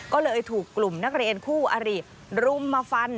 ก็เลยถูกกลุ่มนักเรียนคู่อริรุมมาฟัน